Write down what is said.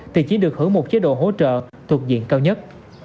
thì chỉ được hưởng một chế độ hỗ trợ thuộc diện cao nhất